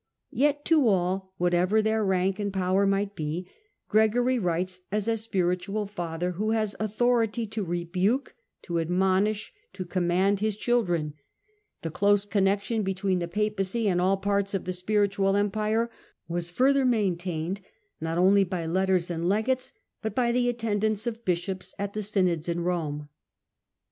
Yet to all, whatever their rank i and power might be, Gregory writes as a spiritual father" ^ who has authority to rebuke, to admonish, to command ' Digitized by VjOOQIC The Last Years of Gregory VI L 157 his children. The close connexion between the Papacy and all parts of the spiritual empire was farther main tained, not only by letters and legates, but by the attendance of bishops at the synods in Rome.